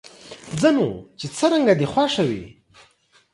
ځه نو، چې څرنګه دې خوښه وي.